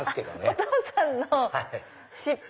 お父さんの失敗。